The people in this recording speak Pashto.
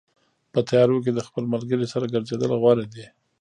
په تیارو کې د خپل ملګري سره ګرځېدل غوره دي.